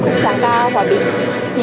khúc tráng ca hòa bình